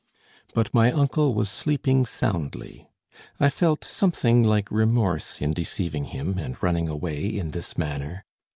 But my uncle was sleeping soundly. I felt something like remorse in deceiving him and running away in this manner.